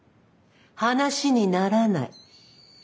話にならない。